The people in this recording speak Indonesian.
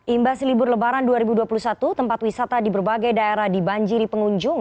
imbas libur lebaran dua ribu dua puluh satu tempat wisata di berbagai daerah dibanjiri pengunjung